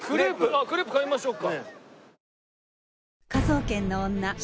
あっクレープ買いましょうか。